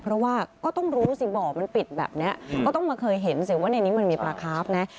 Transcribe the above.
เพราะว่าก็ต้องรู้สิบ่อมันปิดแบบนี้ก็ต้องมาเคยเห็นสิว่าในนี้มันมีปลาคาร์ฟนะ